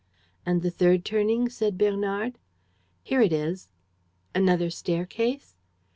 "And the third turning?" said Bernard. "Here it is." "Another staircase?"